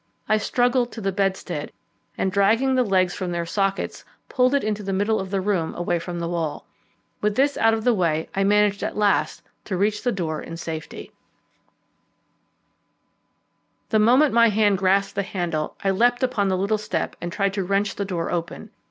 I struggled to the bedstead, and dragging the legs from their sockets, pulled it into the middle of the room away from the wall. With this out of the way, I managed at last to reach the door in safety. [Illustration: "I flung myself upon him." A Master of Mysteries. Page 47] The moment my hand grasped the handle I leapt upon the little step and tried to wrench the door open.